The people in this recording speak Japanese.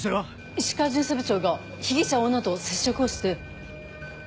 石川巡査部長が被疑者女と接触をして。